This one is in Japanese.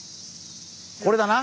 これだな？